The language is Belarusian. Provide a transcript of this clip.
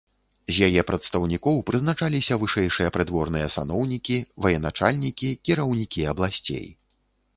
З яе прадстаўнікоў прызначаліся вышэйшыя прыдворныя саноўнікі, ваеначальнікі, кіраўнікі абласцей.